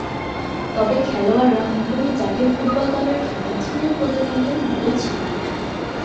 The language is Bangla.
তবে খেলোয়াড়রা হংকংয়ের জাতীয় ফুটবল দলের খ্যাতি চীনের প্রজাতন্ত্রের মতোই ছিল না।